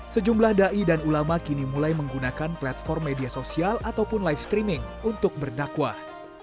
sejumlah dai dan ulama kini mulai menggunakan platform media sosial ataupun live streaming untuk berdakwah